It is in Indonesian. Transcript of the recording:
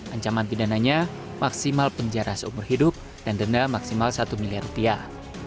ancaman pidananya maksimal penjara seumur hidup dan denda maksimal satu miliar rupiah